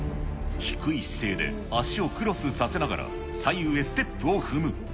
低い姿勢で足をクロスさせながら、左右へステップを踏む。